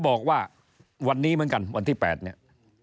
บอกว่าวันนี้เหมือนกันวันที่๘เนี่ย